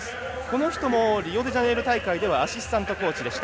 この人もリオデジャネイロ大会ではアシスタントコーチでした。